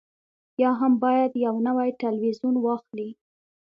یا هم باید یو نوی تلویزیون واخلئ